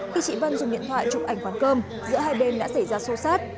khi chị vân dùng điện thoại chụp ảnh quán cơm giữa hai bên đã xảy ra xô xát